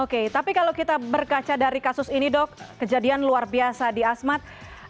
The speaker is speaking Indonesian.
oke tapi kalau kita berkaca dari kasus ini dok kejadian luar biasa di asmat